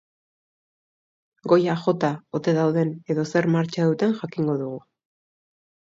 Goia jota ote dauden edo zer martxa duten jakingo dugu.